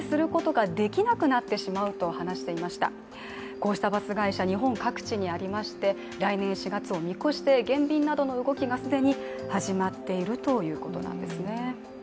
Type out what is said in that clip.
こうしたバス会社、日本各地にありまして来年４月を見越して減便などの動きが既に始まっているということなんですね。